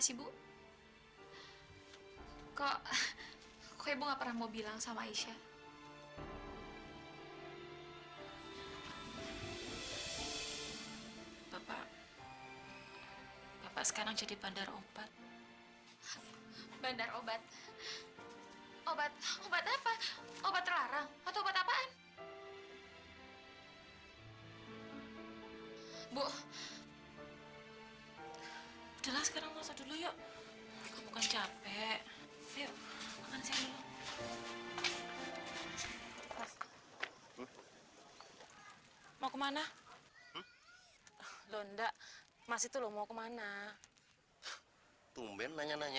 sampai jumpa di video selanjutnya